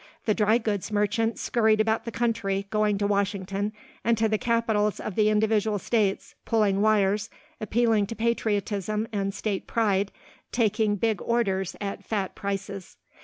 The drygoods merchant scurried about the country, going to Washington and to the capitals of the individual states, pulling wires, appealing to patriotism and state pride, taking big orders at fat prices.